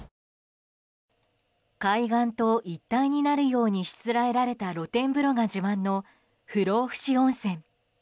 海岸と一体になるようにしつらえられた露天風呂が自慢の不老ふ死温泉。